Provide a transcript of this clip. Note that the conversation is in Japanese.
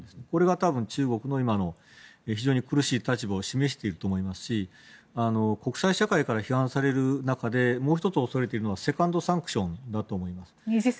これが今の中国の非常に苦しい立場を示していると思いますし国際社会から批判される中でもう１つ恐れているのはセカンドサンクションだと思います。